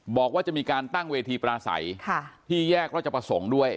บอกว่าจะมีการตั้งเวทีปลาใสที่แยกราชประสงค์ด้วย